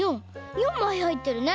４まいはいってるね。